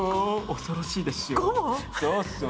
恐ろしいでしょ。